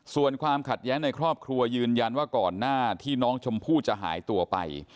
ส่วนความขัดแย้งในครอบครัวยืนยันว่าก่อนหน้าที่น้องชมพู่จะหายตัวไป